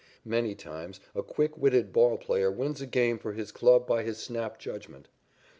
Many times a quick witted ball player wins a game for his club by his snap judgment.